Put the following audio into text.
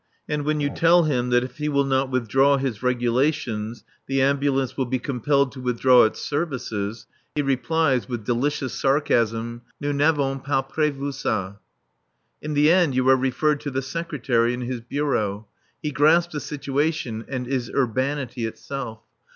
And when you tell him that if he will not withdraw his regulations the Ambulance will be compelled to withdraw its services, he replies with delicious sarcasm, "Nous n'avons pas prévu ça." In the end you are referred to the Secretary in his bureau. He grasps the situation and is urbanity itself.